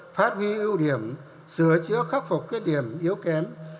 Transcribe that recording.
phát huy ưu điểm sửa chữa khắc phục khuyết điểm yếu kém